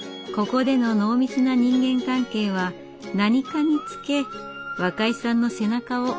ここでの濃密な人間関係は何かにつけ若井さんの背中を押してくれました。